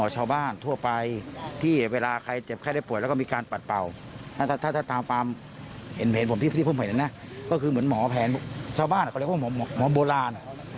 ชาวบ้านเขาเรียกว่าหมอโบราณ